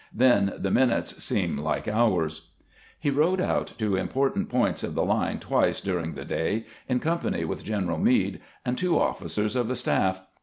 Then the minutes seem like hours." He rode out to important points of the line twice during the day, in company with General Meade and two offi cers of the staff.